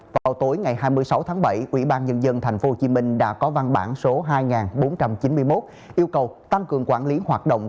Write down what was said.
vào tối ngày hai mươi sáu tháng bảy ubnd tp hcm đã có văn bản số hai nghìn bốn trăm chín mươi một yêu cầu tăng cường quản lý hoạt động